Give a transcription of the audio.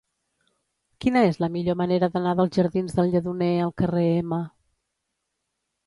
Quina és la millor manera d'anar dels jardins del Lledoner al carrer M?